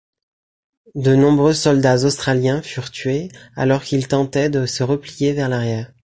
De nombreux soldats australiens furent tués alors qu'ils tentaient de se replier vers l'arrière.